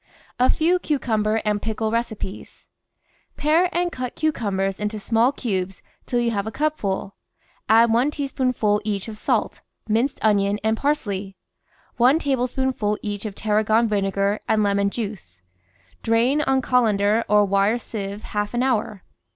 A FEV^ CUCUMBER AND PICKLE RECIPES Pare and cut cucumbers into small cubes till you have a cupful; add one teaspoonful each of salt, minced onion, and parsley; one tablespoonful each of tarragon vinegar and lemon juice. Drain on col ander or wire sieve half an hour.